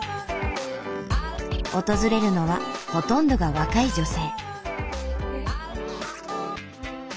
訪れるのはほとんどが若い女性。